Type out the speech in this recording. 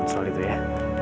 soal itu ya